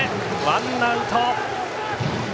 ワンアウト。